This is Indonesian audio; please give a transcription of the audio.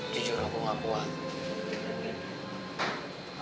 jujur aku ngakuah